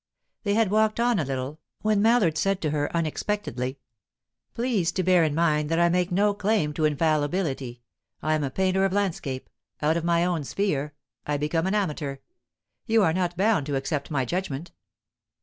They had walked on a little, when Mallard said to her unexpectedly: "Please to bear in mind that I make no claim to infallibility. I am a painter of landscape; out of my own sphere, I become an amateur. You are not bound to accept my judgment."